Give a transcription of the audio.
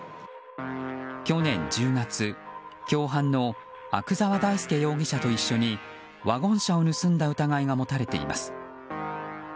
去年１０月共犯の阿久沢大介容疑者と一緒にワゴン車を盗んだ疑いが持たれています。